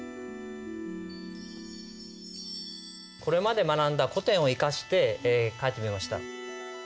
これまで学んだ古典を生かして書いてみました。